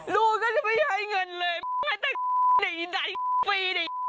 ลูกก็จะไม่ให้เงินเลยให้แต่นี่ไอ้ฟรีนี่